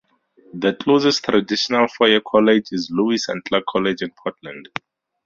The closest traditional four-year college is Lewis and Clark College in Portland.